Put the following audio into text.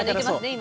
今。